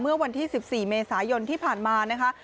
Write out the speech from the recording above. เมื่อวันที่๑๔เมษายนที่ผ่านมานะคะ